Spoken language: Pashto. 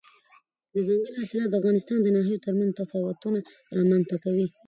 دځنګل حاصلات د افغانستان د ناحیو ترمنځ تفاوتونه رامنځته کوي.